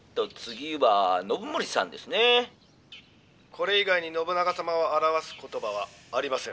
「これ以外に信長様を表す言葉はありません」。